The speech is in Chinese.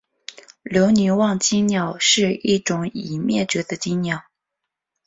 留尼旺椋鸟是一种已灭绝的椋鸟。